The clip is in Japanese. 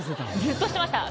ずっとしてました。